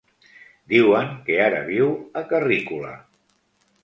Diuen que ara viu a Carrícola.